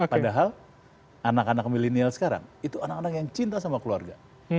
padahal anak anak milenial sekarang itu anak anak yang cinta sama keluarga